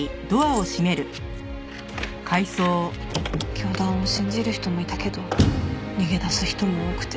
教団を信じる人もいたけど逃げ出す人も多くて。